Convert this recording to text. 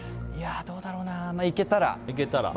どうだろうな行けたら。